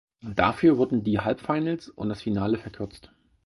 Dafür wurden die Halbfinals und das Finale verkürzt.